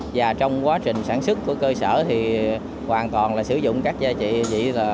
và trong quá trình sản xuất của cơ sở thì hoàn toàn là sử dụng các giá trị gì